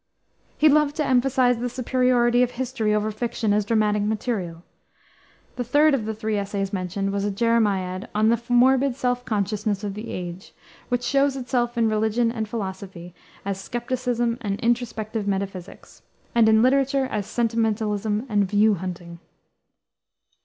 He loved to emphasize the superiority of history over fiction as dramatic material. The third of the three essays mentioned was a Jeremiad on the morbid self consciousness of the age, which shows itself in religion and philosophy, as skepticism and introspective metaphysics; and in literature, as sentimentalism, and "view hunting."